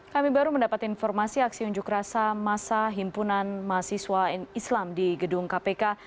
kami baru mendapat informasi aksi unjuk rasa masa himpunan mahasiswa islam di gedung kpk